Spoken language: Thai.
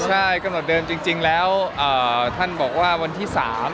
ใช่กำหนดเดิมจริงแล้วท่านบอกว่าวันที่๓